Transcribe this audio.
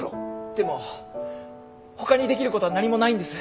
でもほかにできることは何もないんです。